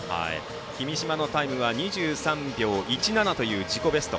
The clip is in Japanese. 君嶋のタイムは２３秒１７という自己ベスト。